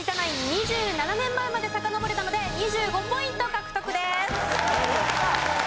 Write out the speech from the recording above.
２７年前までさかのぼれたので２５ポイント獲得です。